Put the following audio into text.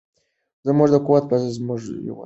زموږ قوت په زموږ په یووالي کې دی.